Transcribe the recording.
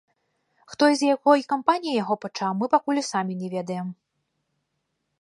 Хто і з якой кампаніі яго пачаў мы пакуль і самі не ведаем.